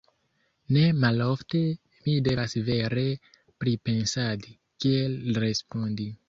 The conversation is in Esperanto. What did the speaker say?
Ne malofte mi devas vere pripensadi, kiel respondi.